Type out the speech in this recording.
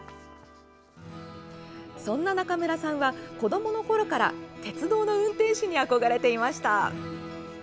そんな中村さんは子どものころから鉄道の運転士に憧れていました。